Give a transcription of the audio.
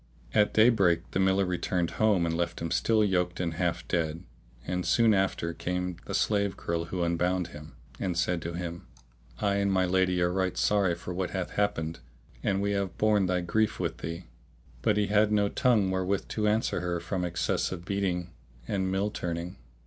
At day break the miller returned home and left him still yoked and half dead; and soon after in came the slave girl who unbound him, and said to him, "I and my lady are right sorry for what hath happened and we have borne thy grief with thee." But he had no tongue wherewith to answer her from excess of beating and mill turning.